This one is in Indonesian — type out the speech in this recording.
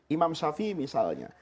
imam syafi'i misalnya